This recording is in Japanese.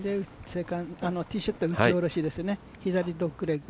ティーショット打ち下ろしですね、左ドッグレッグ。